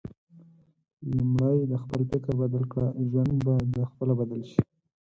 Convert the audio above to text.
لومړی د خپل فکر بدل کړه ، ژوند به د خپله بدل شي